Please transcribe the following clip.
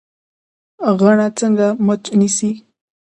غڼه څنګه مچ نیسي؟